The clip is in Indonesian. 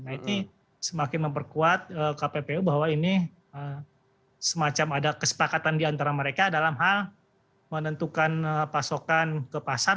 nah ini semakin memperkuat kppu bahwa ini semacam ada kesepakatan diantara mereka dalam hal menentukan pasokan ke pasar